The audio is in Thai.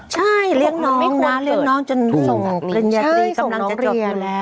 ใช่เรียกน้องนะเรียกน้องจนส่งกันอย่างนี้คำนักจะจอดอยู่แล้ว